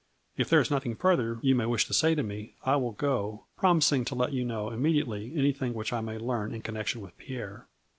If there is nothing further you may wish to say to me, I will go, promising to let you know immediately anything which I may learn in connection with Pierre.